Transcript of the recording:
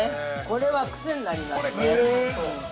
◆これはくせになりますね。